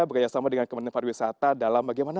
begaya sama dengan kementerian pariwisata dalam bagaimana